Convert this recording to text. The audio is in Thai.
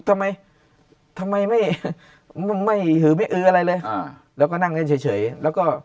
ทำไมทำไมไม่ไม่หือไม่อื้ออะไรเลยอ่าแล้วก็นั่งเล่นเฉยเฉยแล้วก็